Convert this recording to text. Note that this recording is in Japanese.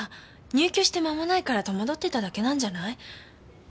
入居して間もないから戸惑ってただけなんじゃない？